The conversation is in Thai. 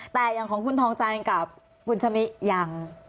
แต่อย่างของคุณทองจันทร์กับคุณชะมิยัง